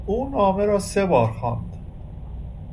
او نامه را سه بار خواند.